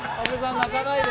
泣かないで！